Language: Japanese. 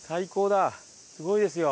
すごいですよ。